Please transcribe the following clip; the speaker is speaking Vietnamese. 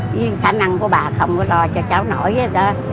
cái khả năng của bà không có lo cho cháu nổi hết đó